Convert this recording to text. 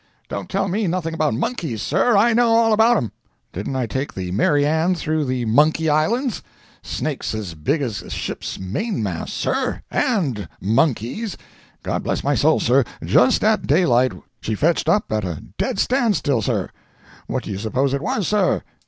don't tell me nothing about monkeys, sir! I know all about 'em! Didn't I take the Mary Ann through the Monkey Islands?—snakes as big as a ship's mainmast, sir!—and monkeys!—God bless my soul, sir, just at daylight she fetched up at a dead stand still, sir!—what do you suppose it was, sir?